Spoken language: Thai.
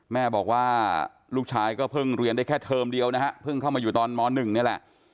แม่บอกว่าลูกชายก็เพิ่งเรียนได้แค่เทอมเดียวนะฮะเพิ่งเข้ามาอยู่ตอนม๑นี่แหละ